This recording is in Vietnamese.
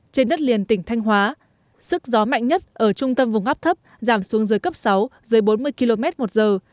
trên đất liền tỉnh thanh hóa sức gió mạnh nhất ở trung tâm vùng áp thấp giảm xuống dưới cấp sáu dưới bốn mươi km một giờ